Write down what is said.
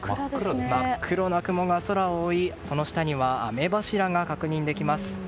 真っ黒な雲が空を覆いその下には雨柱が確認できます。